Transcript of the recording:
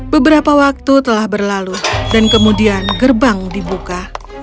beberapa waktu telah berlalu dan kemudian gerbang dibuka